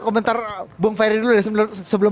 komentar bung ferry dulu sebelum